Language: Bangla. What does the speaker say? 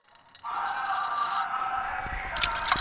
তুমিই ট্রেনটি থামিয়েছিলে?